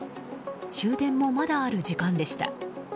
終電もまだある時間でした。